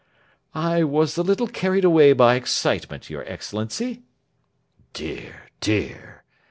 "I was a little carried away by excitement, your Excellency." "Dear, dear!